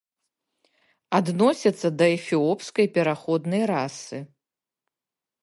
Адносяцца да эфіопскай пераходнай расы.